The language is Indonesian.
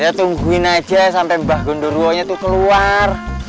ya tungguin aja sampe mbak gundurwonya tuh keluar